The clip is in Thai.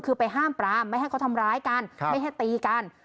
คือไปห้ามปรามไม่ให้เขาทำร้ายกันไม่ให้ตีกัน